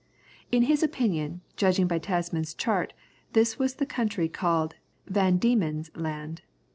In his opinion, judging by Tasman's chart, this was the country called Van Diemen's Land.